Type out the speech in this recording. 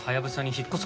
引っ越す。